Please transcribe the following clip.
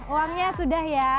uangnya sudah ya